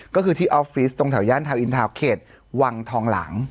ก็คือที่ออฟฟิศตรงแถวย่านทาวนอินทาวน์เขตวังทองหลัง